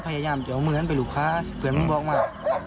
อำเราน่าจะเอามือนเคยหารูค้าเฟือนมันบล็อกมา